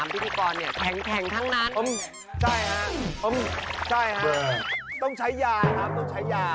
คือหลายคนสงสัยว่าตื่นแต่เช้า